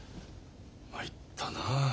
参ったな。